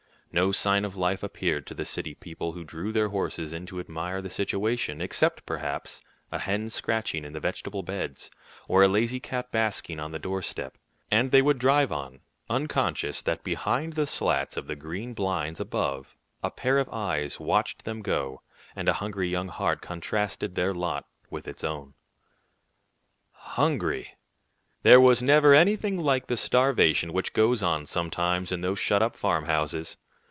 No sign of life appeared to the city people who drew their horses in to admire the situation, except, perhaps, a hen scratching in the vegetable beds, or a lazy cat basking on the doorstep; and they would drive on, unconscious that behind the slats of the green blinds above a pair of eyes watched them go, and a hungry young heart contrasted their lot with its own. Hungry! There never was anything like the starvation which goes on sometimes in those shut up farmhouses.